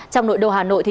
trong nội đô hà nội